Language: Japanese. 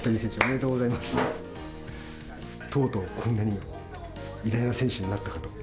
とうとうこんなに偉大な選手になったかと。